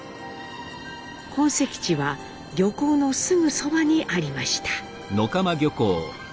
本籍地は漁港のすぐそばにありました。